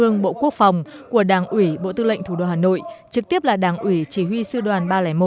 ương bộ quốc phòng của đảng ủy bộ tư lệnh thủ đô hà nội trực tiếp là đảng ủy chỉ huy sư đoàn ba trăm linh một